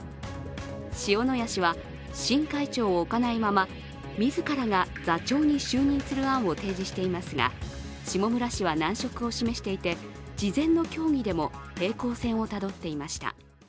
塩谷氏は新会長を置かないまま自らが座長に就任する案を提示していますが、下村氏は難色を示していて事前の協議でも平行線をたどっていました。